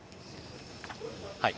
はい。